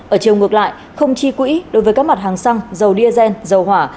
ở chiều ngược lại không chi quỹ đối với các mặt hàng xăng dầu diazen dầu hỏa